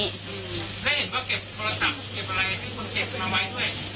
แล้วเห็นว่าเก็บโทรศัพท์เก็บอะไรให้คนเก็บเอาไว้ด้วย